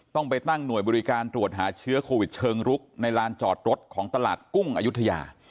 ต้องไปตั้งหน่วยบริการตรวจหาเชื้อโควิดเชิงรุกในลานจอดรถของตลาดกุ้งอายุทยา